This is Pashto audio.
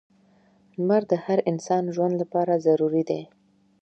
• لمر د هر انسان ژوند لپاره ضروری دی.